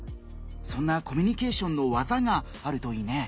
そんなコミュニケーションの技があるといいね。